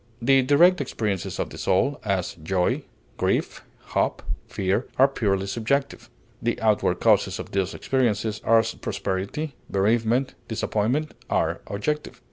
The direct experiences of the soul, as joy, grief, hope, fear, are purely subjective; the outward causes of these experiences, as prosperity, bereavement, disappointment, are objective.